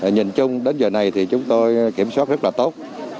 nhìn chung đến giờ này thì chúng tôi kiểm soát rất là tốt